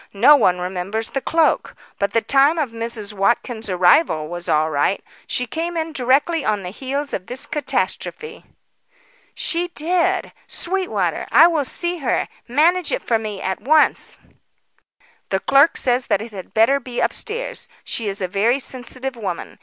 "No one remembers the cloak. But the time of Mrs. Watkins' arrival was all right. She came in directly on the heels of this catastrophe." "She did! Sweetwater, I will see her. Manage it for me at once." "The clerk says that it had better be upstairs. She is a very sensitive woman.